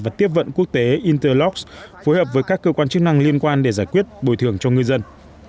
và tiếp vận quốc tế interlox phối hợp với các cơ quan chức năng liên quan để giải quyết bồi thường cho ngư dân